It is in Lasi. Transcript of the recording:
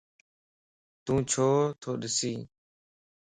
تون ڇو تو ڏسي؟